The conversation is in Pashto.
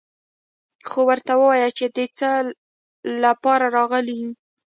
خو ورته ووايه چې د څه له پاره راغلي يو.